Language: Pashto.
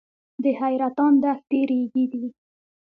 د حیرتان دښتې ریګي دي